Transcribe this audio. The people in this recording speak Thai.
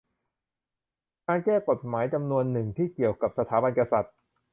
การแก้ไขกฎหมายจำนวนหนึ่งที่เกี่ยวกับสถาบันกษัตริย์